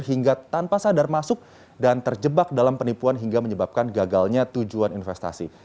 hingga tanpa sadar masuk dan terjebak dalam penipuan hingga menyebabkan gagalnya tujuan investasi